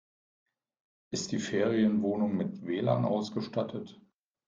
Ist die Ferienwohnung mit WLAN ausgestattet?